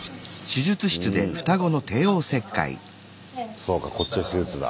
そうかこっちは手術だ。